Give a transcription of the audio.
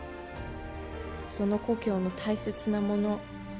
その故郷の大切なもの